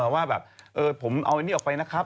ว่าแบบผมเอาอันนี้ออกไปนะครับ